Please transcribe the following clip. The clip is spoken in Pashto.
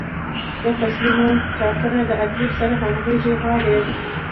د فصلونو ټاکنه د اقلیم سره همغږي غواړي.